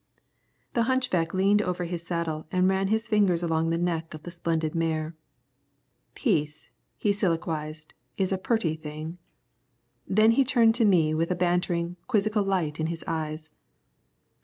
The hunchback leaned over his saddle and ran his fingers along the neck of the splendid mare. "Peace," he soliloquised, "is a purty thing." Then he turned to me with a bantering, quizzical light in his eyes.